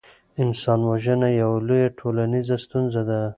انسان وژنه یوه لویه ټولنیزه ستونزه ده.